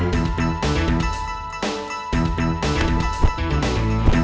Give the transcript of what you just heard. jangan lupa like share dan subscribe ya